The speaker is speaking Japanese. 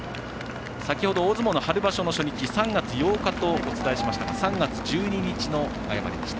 先ほど、大相撲の春場所初日３月８日とお伝えしましたが３月１２日の誤りでした。